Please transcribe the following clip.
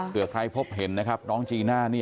เพื่อใครพบเห็นนะครับน้องจีน่านี่